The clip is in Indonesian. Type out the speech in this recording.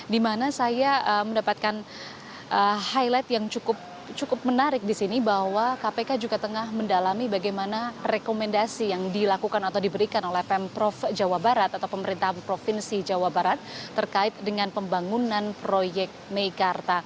di mana saya mendapatkan highlight yang cukup menarik di sini bahwa kpk juga tengah mendalami bagaimana rekomendasi yang dilakukan atau diberikan oleh pemprov jawa barat atau pemerintah provinsi jawa barat terkait dengan pembangunan proyek meikarta